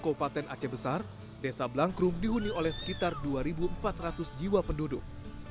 kabupaten aceh besar desa blangkrum dihuni oleh sekitar dua empat ratus jiwa penduduk